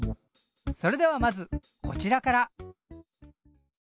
それではまずこちらから。